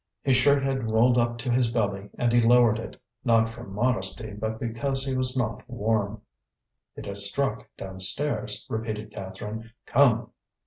His shirt had rolled up to his belly, and he lowered it, not from modesty but because he was not warm. "It has struck downstairs," repeated Catherine; "come!